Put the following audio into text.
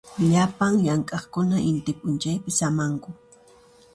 Llapan llamk'aqkuna inti p'unchaypi samanku.